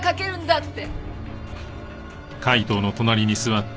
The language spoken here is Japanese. って。